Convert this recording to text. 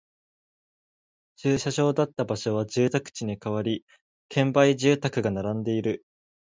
駐車場だった場所は住宅地に変わり、建売住宅が並んでいる